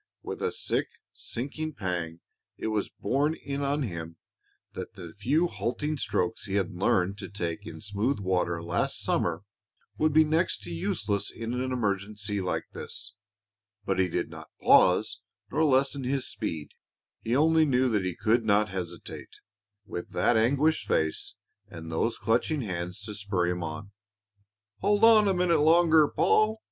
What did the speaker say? With a sick, sinking pang it was borne in on him that the few halting strokes he had learned to take in smooth water last summer would be next to useless in an emergency like this. But he did not pause nor lessen his speed. He only knew that he could not hesitate, with that anguished face and those clutching hands to spur him on. "Hold on a minute longer, Paul!"